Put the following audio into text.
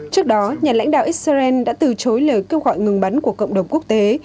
trước đó nhà lãnh đạo israel đã từ chối lời kêu gọi ngừng bắn của cộng đồng quốc tế